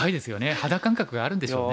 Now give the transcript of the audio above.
肌感覚があるんでしょうね。